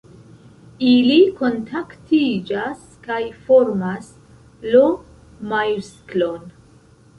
Ili kontaktiĝas kaj formas L-majusklon.